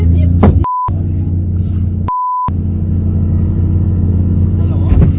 โอ้ยต่อยมากเหรอ